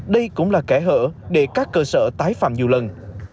đây cũng là kẻ hở để các cơ sở tái phạm nhiều lần